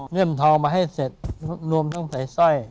เงินทองมาให้เสร็จรวมทั้งใส่สร้อย